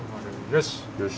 よし！